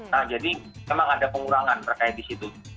nah jadi memang ada pengurangan terkait di situ